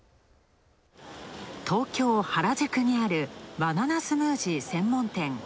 東京・原宿にあるバナナスムージー専門店。